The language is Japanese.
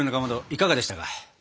いかがでしたか？